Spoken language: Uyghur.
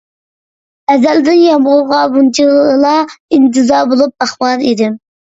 ئەزەلدىن يامغۇرغا بۇنچىلا ئىنتىزار بولۇپ باقمىغان ئىدىم.